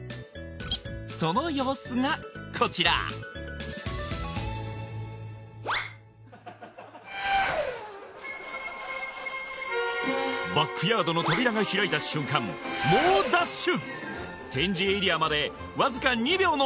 その様子がこちらバックヤードの扉が開いた瞬間猛ダッシュ！